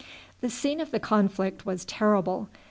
The scene of the conflict was terrible.